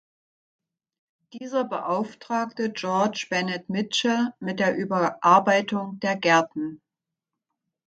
Dieser beauftragte "George Bennet Mitchell" mit der Überarbeitung der Gärten.